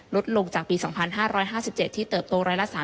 ลดลงจากปี๒๕๕๗ที่เติบโต๑๓